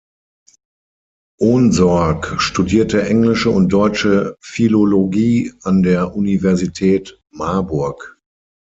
Ohnsorg studierte englische und deutsche Philologie an der Universität Marburg.